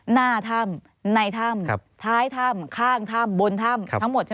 หน้าท่ำในท่ำครับท้ายท่ำข้างท่ำบนท่ำครับทั้งหมดใช่ไหมครับ